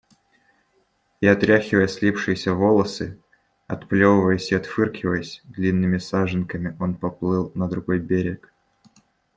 И, отряхивая слипшиеся волосы, отплевываясь и отфыркиваясь, длинными саженками он поплыл на другой берег.